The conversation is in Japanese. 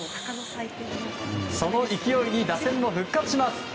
その勢いに打線も復活します。